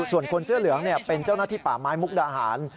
ส่วนคนเสื้อเหลืองเป็นเจ้าหน้าที่ป่าไม้มุกดาหาร